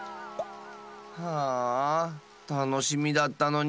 ああたのしみだったのに！